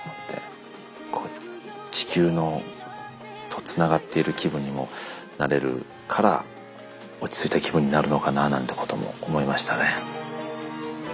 地球とつながっている気分にもなれるから落ち着いた気分になるのかななんてことも思いましたね。